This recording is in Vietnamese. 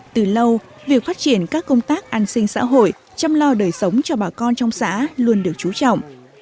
từ lâu việc phát triển các công tác an sinh xã hội chăm lo đời sống cho bà con trong xã luôn được chú trọng